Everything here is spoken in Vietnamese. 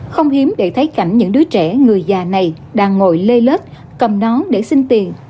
không hiếm để thấy cảnh những đứa trẻ người già này đang ngồi lê lết cầm nón để xin tiền